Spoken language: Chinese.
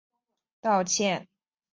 随后他召开新闻发布会表示道歉。